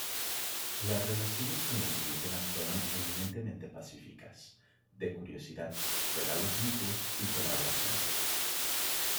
Las relaciones con los indígenas fueron eminentemente pacíficas, de curiosidad, regalos mutuos y colaboración.